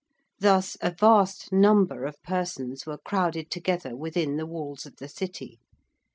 Thus a vast number of persons were crowded together within the walls of the City.